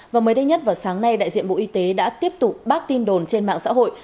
và mới đây nhất vào sáng nay đại diện bộ y tế đã tiếp tục bác tin đồn trên mạng xã hội